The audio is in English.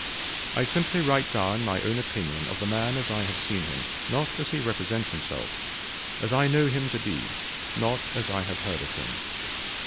I simply write down my own opinion of the man as I have seen him, not as he represents himself; as I know him to be, not as I have heard of him.